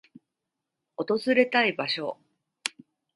訪れたい場所